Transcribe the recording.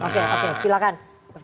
oke oke silahkan